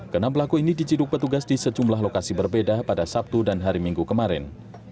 kenam pelaku ini diciduk petugas di sejumlah lokasi berbeda pada sabtu dan hari minggu kemarin